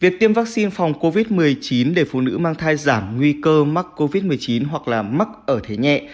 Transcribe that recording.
việc tiêm vaccine phòng covid một mươi chín để phụ nữ mang thai giảm nguy cơ mắc covid một mươi chín hoặc là mắc ở thế nhẹ